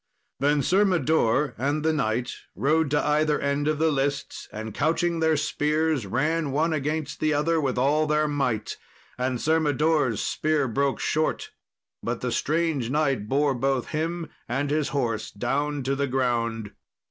Then Sir Mador and the knight rode to either end of the lists, and couching their spears, ran one against the other with all their might; and Sir Mador's spear broke short, but the strange knight bore both him and his horse down to the ground.